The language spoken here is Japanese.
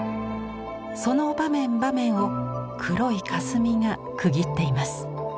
その場面場面を黒い霞が区切っています。